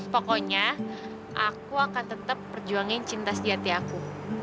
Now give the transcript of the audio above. pokoknya aku akan tetap perjuangin cinta sejati aku